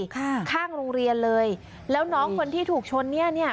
ข้างโรงเรียนเลยแล้วน้องคนที่ถูกชนเนี้ยเนี้ย